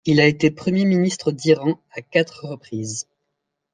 Il a été Premier ministre d'Iran à quatre reprises.